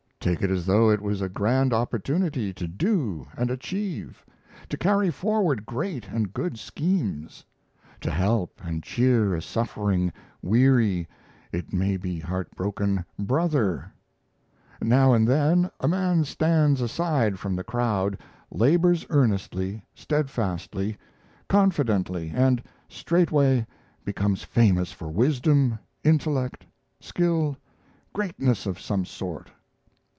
Take it as though it was a grand opportunity to do and achieve, to carry forward great and good schemes; to help and cheer a suffering, weary, it may be heartbroken, brother. Now and then a man stands aside from the crowd, labors earnestly, steadfastly, confidently, and straightway becomes famous for wisdom, intellect, skill, greatness of some sort.